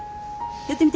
やってみて。